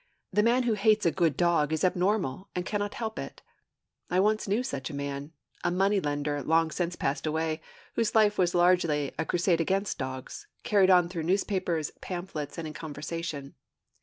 The man who hates a good dog is abnormal, and cannot help it. I once knew such a man, a money lender long since passed away, whose life was largely a crusade against dogs, carried on through newspapers, pamphlets, and in conversation.